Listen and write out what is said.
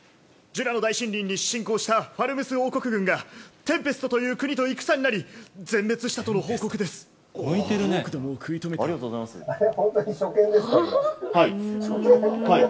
ジュラの大森林に侵攻したファルムス王国軍が、テンペストという国と戦になり、全滅したとの報告あれ？